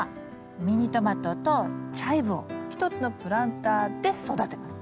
ミニトマトとチャイブを１つのプランターで育てます。